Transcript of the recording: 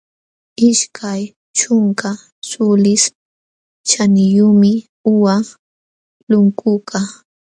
Ishkay ćhunka suulis ćhaniyuqmi uqa lunkukaq.